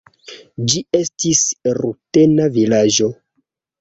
Ĝi estis rutena vilaĝo.